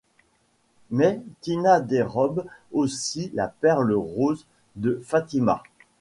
Mais Tina dérobe aussi la perle rose de Fatima.